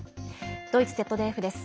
ドイツＺＤＦです。